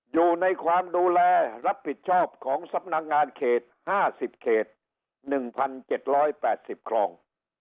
อยู่ในความดูแลรับผิดชอบของสำนักงานเขต๕๐เขต๑๗๘๐คลอง